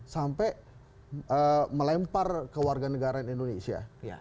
sampai melempar ke warga negara indonesia